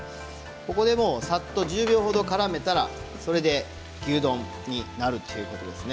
ここで、さっと１０秒ほどからめたら牛丼になるということですね。